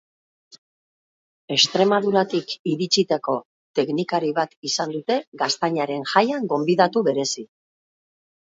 Extremaduratik iritsitako teknikari bat izan dute Gaztainaren Jaian gonbidatu berezi.